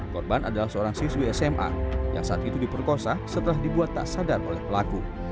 korban adalah seorang siswi sma yang saat itu diperkosa setelah dibuat tak sadar oleh pelaku